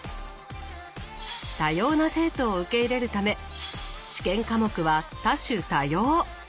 多様な生徒を受け入れるため試験科目は多種多様。